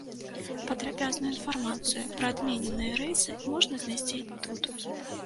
Падрабязную інфармацыю пра адмененыя рэйсы можна знайсці тут.